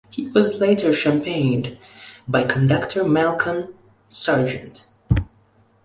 He was later championed by conductor Malcolm Sargent.